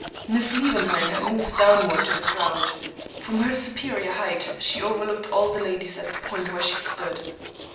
Miss Liebenheim had moved downward to the crowd. From her superior height she overlooked all the ladies at the point where she stood.